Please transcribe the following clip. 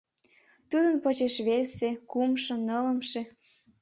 Тудын почеш весе, кумшо, нылымше...